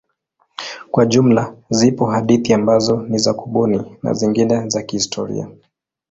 Kwa jumla zipo hadithi ambazo ni za kubuni na zingine za kihistoria.